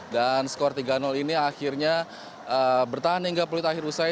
dan skor tiga ini akhirnya bertahan hingga pelit akhir usai